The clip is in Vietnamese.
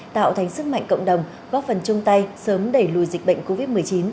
tạo thành sức mạnh cộng đồng góp phần chung tay sớm đẩy lùi dịch bệnh covid một mươi chín